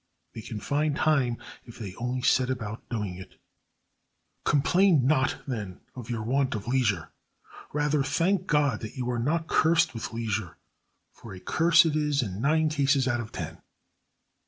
They can find time if they only set about doing it. Complain not, then, of your want of leisure. Rather thank God that you are not cursed with leisure, for a curse it is in nine cases out of ten.